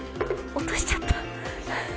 落としちゃった。